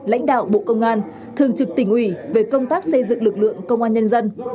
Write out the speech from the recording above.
lãnh đạo bộ công an thường trực tỉnh ủy về công tác xây dựng lực lượng công an nhân dân